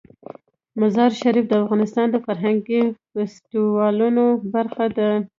مزارشریف د افغانستان د فرهنګي فستیوالونو برخه ده.